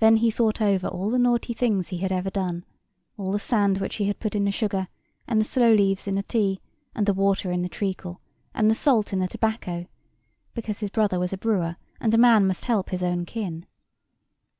Then he thought over all the naughty things he ever had done; all the sand which he had put in the sugar, and the sloe leaves in the tea, and the water in the treacle, and the salt in the tobacco (because his brother was a brewer, and a man must help his own kin).